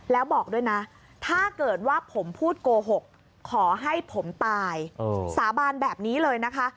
แล้วบอกด้วยนะถ้าเกิดว่าผมพูดโกหกขอให้ผมตายสาบานแบบนี้เลยนะคะ